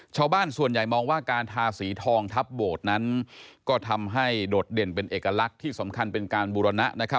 ชาวบ้านส่วนใหญ่มองว่าการทาสีทองทับโบสถ์นั้นก็ทำให้โดดเด่นเป็นเอกลักษณ์ที่สำคัญเป็นการบูรณะนะครับ